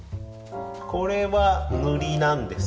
これは塗りなんですけど